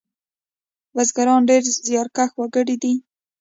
بزگران ډېر زیارکښ وگړي دي.